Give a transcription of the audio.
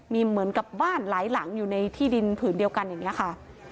มีเหมือนกับบ้านหลายหลังอยู่ในที่ดินผืนเดียวกันอย่างนี้ค่ะ